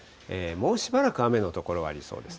もうしばらく雨の所がありそうです。